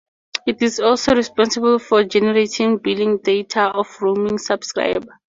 It is also responsible for generating billing data of roaming subscriber.